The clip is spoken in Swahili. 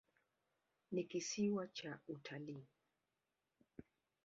Ni kisiwa cha utalii.